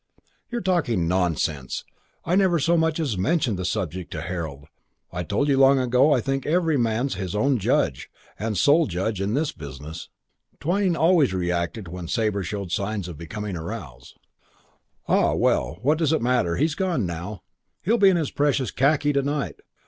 "You're talking nonsense. I've never so much as mentioned the subject to Harold. I told you long ago that I think every man's his own judge, and sole judge, in this business." Twyning always retracted when Sabre showed signs of becoming roused. "Ah, well, what does it matter? He's gone now. He'll be in this precious khaki to night.